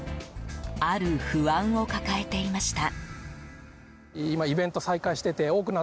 ある不安を抱えていました。